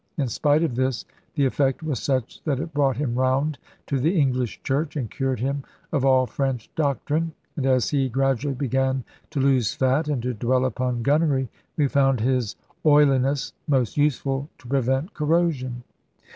In spite of this, the effect was such that it brought him round to the English Church, and cured him of all French doctrine. And as he gradually began to lose fat, and to dwell upon gunnery, we found his oiliness most useful to prevent corrosion.